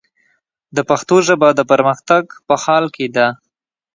د پښتو ژبه، د پرمختګ په حال کې ده.